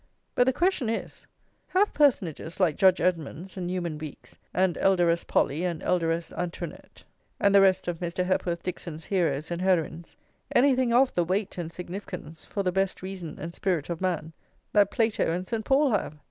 But the question is, have personages like Judge Edmonds, and Newman Weeks, and Elderess Polly, and Elderess Antoinette, and the rest of Mr. Hepworth Dixon's heroes and heroines, anything of the weight and significance for the best reason and spirit of man that Plato and St. Paul have?